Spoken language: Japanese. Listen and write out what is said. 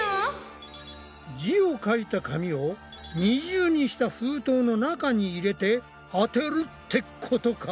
字を書いた紙を二重にした封筒の中に入れて当てるってことか。